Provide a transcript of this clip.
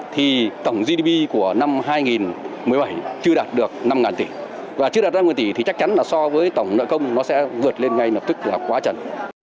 thì tổng gdp của năm hai nghìn một mươi bảy chưa đạt được năm tỷ và chưa đạt ba mươi tỷ thì chắc chắn là so với tổng nợ công nó sẽ vượt lên ngay lập tức là quá trần